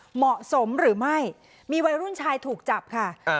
เหมาะสมหรือไม่มีวัยรุ่นชายถูกจับค่ะ